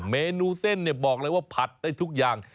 เมนูเส้นเนี่ยบอกเลยว่าผัดได้ทุกอย่าง